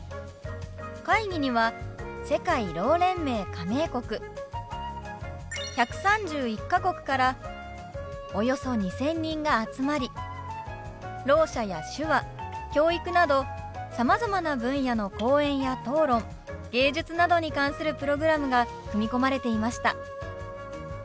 会議には世界ろう連盟加盟国１３１か国からおよそ２，０００人が集まりろう者や手話教育などさまざまな分野の講演や討論芸術などに関するプログラムが組み込まれていました。